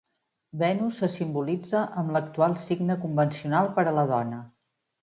Venus se simbolitza amb l'actual signe convencional per a la dona.